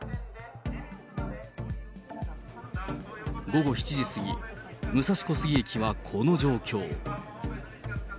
午後７時過ぎ、武蔵小杉駅はこの状況。